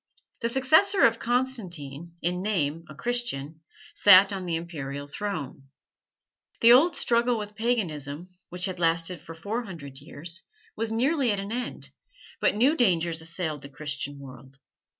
The successor of Constantine, in name a Christian, sat on the Imperial throne. The old struggle with paganism, which had lasted for four hundred years, was nearly at an end, but new dangers assailed the Christian world.